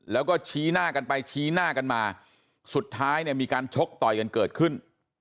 แล้วก็ชี้หน้ากันไปชี้หน้ากันมาสุดท้ายเนี่ยมีการชกต่อยกันเกิดขึ้น